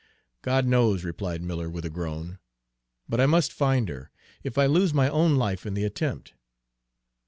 "God knows," replied Miller, with a groan. "But I must find her, if I lose my own life in the attempt."